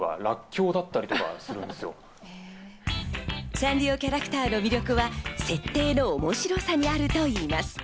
サンリオキャラクターの魅力は、設定の面白さにあるといいます。